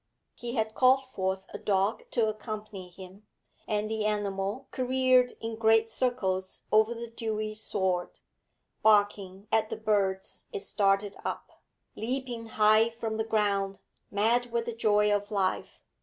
He had called forth a dog to accompany him, and the animal careered in great circles over the dewy sward, barking at the birds it started up, leaping high from the ground, mad with the joy of life.